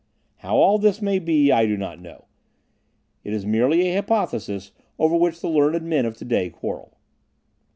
How all this may be, I do not know. It is merely a hypothesis over which the learned men of today quarrel.